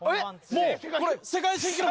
もうこれ世界新記録！